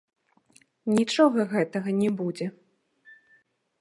Нічога гэтага не будзе.